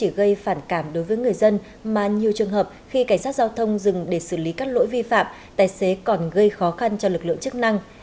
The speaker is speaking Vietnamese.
để gây phản cảm đối với người dân mà nhiều trường hợp khi cảnh sát giao thông dừng để xử lý các lỗi vi phạm tài xế còn gây khó khăn cho lực lượng chức năng